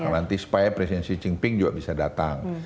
nanti supaya presiden xi jinping juga bisa datang